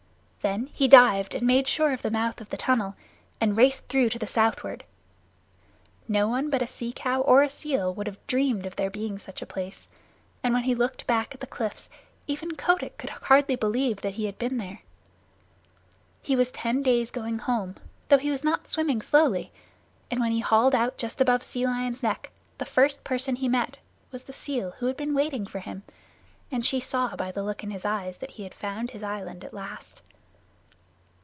Then he dived and made sure of the mouth of the tunnel, and raced through to the southward. No one but a sea cow or a seal would have dreamed of there being such a place, and when he looked back at the cliffs even Kotick could hardly believe that he had been under them. He was six days going home, though he was not swimming slowly; and when he hauled out just above Sea Lion's Neck the first person he met was the seal who had been waiting for him, and she saw by the look in his eyes that he had found his island at last.